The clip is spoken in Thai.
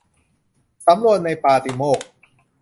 สำรวมในปาฏิโมกข์